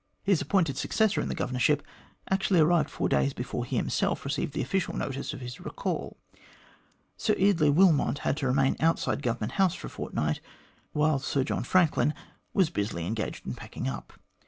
His appointed successor in the Governorship actually arrived four days before he himself received official notice of his recall. Sir Eardley Wilmot had to remain outside Govern ment House for a fortnight, while Sir John Franklin was busily engaged in packing up.